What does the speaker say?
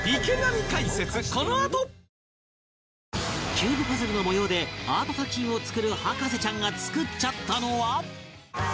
キューブパズルの模様でアート作品を作る博士ちゃんが作っちゃったのは